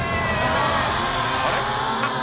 あれ？